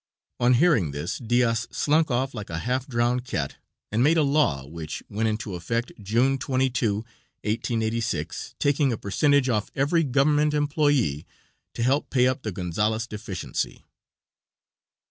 On hearing this Diaz slunk off like a half drowned cat and made a law, which went into effect June 22, 1886, taking a percentage off every government employé to help pay up the Gonzales deficiency.